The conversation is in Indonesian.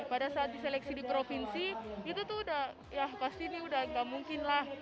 pada saat diseleksi di provinsi itu tuh udah ya pasti ini udah gak mungkin lah